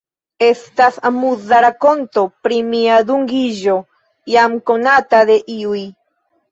Estas amuza rakonto pri mia dungiĝo, jam konata de iuj.